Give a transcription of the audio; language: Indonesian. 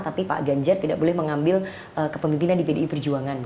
tapi pak ganjar tidak boleh mengambil kepemimpinan di pdi perjuangan